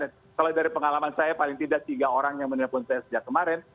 dan kalau dari pengalaman saya paling tidak tiga orang yang menelpon saya sejak kemarin